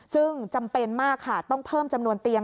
ซึ่งจำเป็นมากค่ะต้องเพิ่มจำนวนเตียง